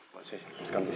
pak saya lepaskan dulu